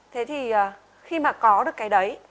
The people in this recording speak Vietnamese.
thì khi mà có được cái đấy